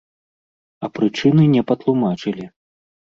А прычыны не патлумачылі.